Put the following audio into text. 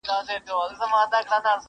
نشه لري مستي لري په عیبو کي یې نه یم،